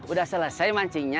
udah selesai mancingnya